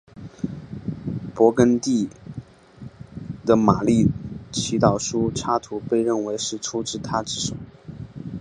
勃艮第的马丽的祈祷书插图被认为是出自他之手。